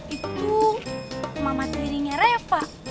itu mama telinga reva